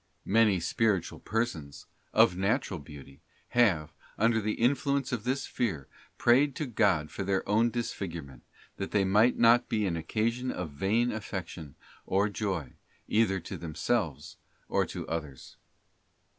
Many spiritual persons, of natural beauty, have, under the influence of this fear, prayed to God for their own disfigure ment, that they might not be an occasion of vain affection or joy, either to themselves or to others.